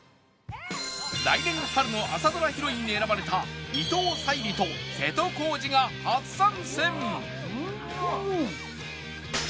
来年春の朝ドラヒロインに選ばれた伊藤沙莉と瀬戸康史が初参戦！